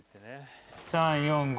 ３４５。